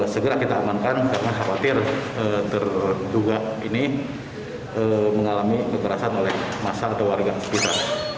segera kita amankan karena khawatir terduga ini mengalami kekerasan oleh masyarakat warga kita